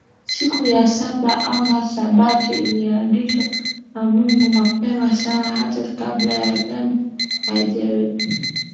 Siku ya Saba ama Sabato ilianzishwa na Mungu Mapema sana hata kabla dhambi haijawepo